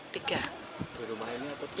di rumah ini